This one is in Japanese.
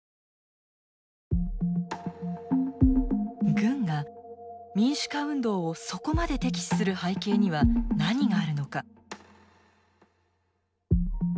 軍が民主化運動をそこまで敵視する背景には何があるのか？